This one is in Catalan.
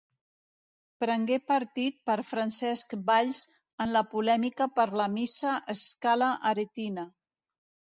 Prengué partit per Francesc Valls en la polèmica per la Missa Scala Aretina.